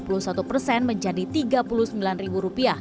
rp dua puluh satu persen menjadi rp tiga puluh sembilan